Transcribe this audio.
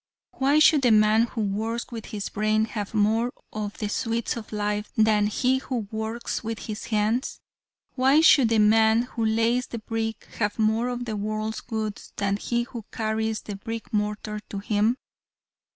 Why should the man who works with his brain have more of the sweets of life than he who works with his hands? Why should the man who lays the brick have more of the world's goods than he who carries the brick mortar to him?